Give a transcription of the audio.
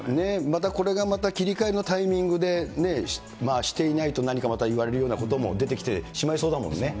またこれが、また切り替えのタイミングで、していないと何かまた言われるようなことも出てきてしまいそうだですよね。